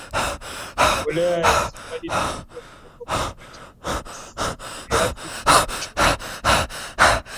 mbolea ya samadi inatakiwa kuwekwa kwa wakati na kiasi kilichoelekezwa